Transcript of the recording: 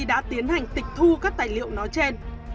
đã tiến hành tịch thu các tài liệu nói trên